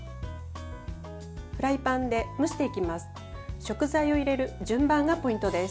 フライパンで蒸していきます。